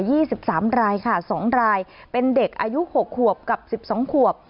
สิบสามรายค่ะสองรายเป็นเด็กอายุหกขวบกับสิบสองขวบ